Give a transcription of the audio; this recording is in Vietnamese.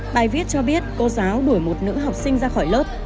bài viết cho biết cô giáo đuổi một nữ học sinh ra khỏi lớp